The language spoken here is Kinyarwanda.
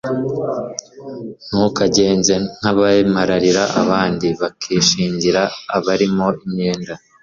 ntukagenze nk'abemararira abandi, bakishingira abarimo imyenda